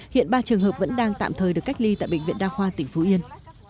hiện ba trường hợp vẫn đang tạm thời được cách ly tại bệnh viện đa khoa tỉnh phú yên